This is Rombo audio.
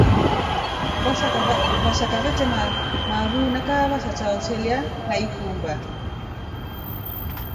Vashaka veteme mayuu na kaava sha chao cheelya na ikumba mndana.